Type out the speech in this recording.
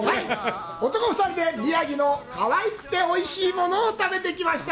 男２人で宮城のかわいくておいしいものを食べてきました。